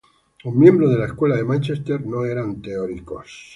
Los miembros de la escuela de Mánchester no eran teóricos.